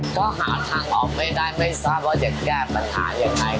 ก็หาทางออกไม่ได้ไม่ทราบว่าจะแก้ปัญหายังไง